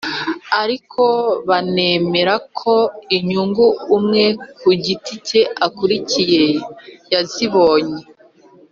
ariko banemera ko inyungu umwe ku giti cye akurikiye yazigeraho